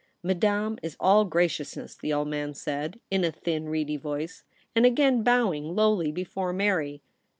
' Madame is all graciousness,' the old man said, in a thin, reedy voice, and again bowing lowly before Mary.